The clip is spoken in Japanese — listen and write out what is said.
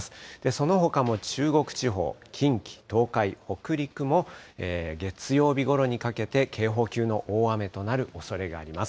そのほかも中国地方、近畿、東海、北陸も、月曜日ごろにかけて、警報級の大雨となるおそれがあります。